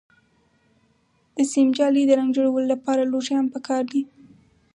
د سیم جالۍ، د رنګ جوړولو لپاره لوښي هم پکار دي.